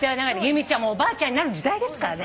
由美ちゃんもおばあちゃんになる時代ですから。